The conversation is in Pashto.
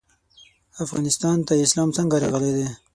افغانستان ته اسلام څنګه راغلی دی؟